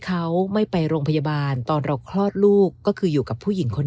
เขาไม่ไปโรงพยาบาลตอนเราคลอดลูกก็คืออยู่กับผู้หญิงคน